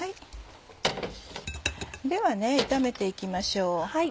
では炒めて行きましょう。